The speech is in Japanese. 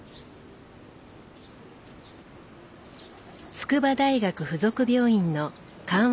筑波大学附属病院の緩和